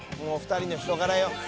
もう２人の人柄よ。